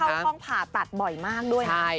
เข้าห้องผ่าตัดบ่อยมากด้วยนะ